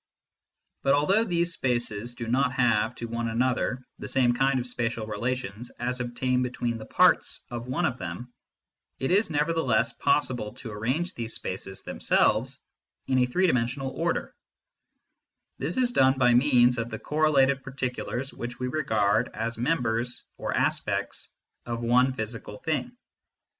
But although these spaces do not have to one another the same kind of spatial relations as obtain between the parts of one of them, it is nevertheless possible to arrange these spaces themselves in a three dimensional order This is done by means of the correlated particulars which we regard as members (or aspects) of one physical thing.